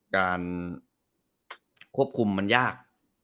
การควบคุมมันยาก